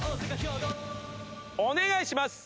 お願いします。